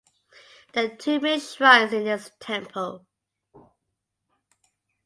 There are two main shrines in this temple.